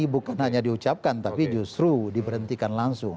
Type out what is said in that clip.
bukan hanya diucapkan tapi justru diberhentikan langsung